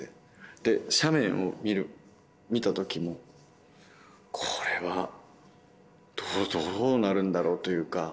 で斜面を見た時もこれはどうなるんだろうというか。